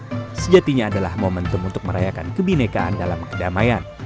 yang sejatinya adalah momentum untuk merayakan kebinekaan dalam kedamaian